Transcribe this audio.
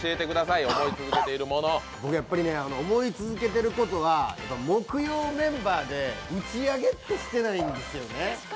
僕やっぱりね、思い続けてることは、木曜メンバーで打ち上げってしてないんですよね。